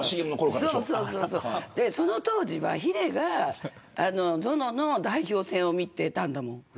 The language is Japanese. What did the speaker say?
その当時はヒデがゾノの代表戦を見ていたんだもん。